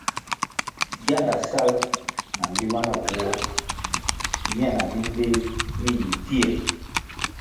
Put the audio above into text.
Gianda sal na nlima nawoh miana mi mbpéh mi yi pfie.